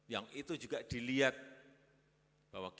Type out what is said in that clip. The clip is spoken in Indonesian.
bangka mudah brisbane juga bagus